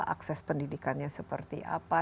akses pendidikannya seperti apa